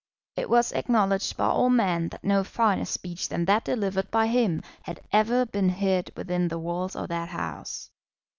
It was acknowledged by all men that no finer speech than that delivered by him had ever been heard within the walls of that House.